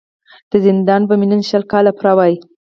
د زندان به مي نن شل کاله پوره وای